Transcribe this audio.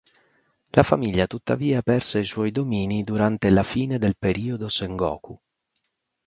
La famiglia tuttavia perse i suoi domini durante la fine del periodo Sengoku.